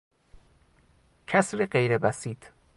کسرغیربسیط